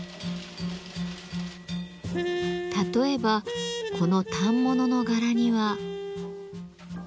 例えばこの反物の柄には。